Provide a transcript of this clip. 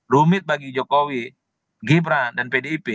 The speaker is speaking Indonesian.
rumit bagi jokowi gibran dan pdip